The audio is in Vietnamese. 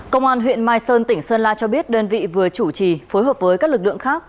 công an huyện mai sơn tỉnh sơn la cho biết đơn vị vừa chủ trì phối hợp với các lực lượng khác